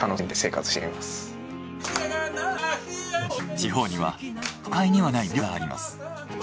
地方には都会にはない魅力があります。